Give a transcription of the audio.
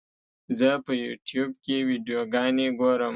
زه په یوټیوب کې ویډیوګانې ګورم.